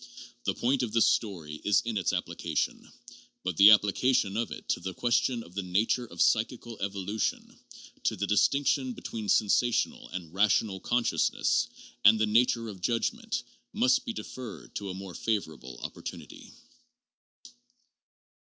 The point of this story is in its application ; but the application of it to the question of the nature of psychical evolution, to the distinction between sensational and rational consciousness, and the nature of judgment must be deferred to a more favorable opportunity.